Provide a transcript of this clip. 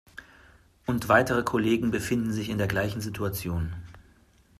Und weitere Kollegen befinden sich in der gleichen Situation.